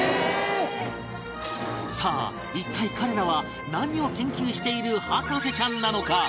さあ一体彼らは何を研究している博士ちゃんなのか？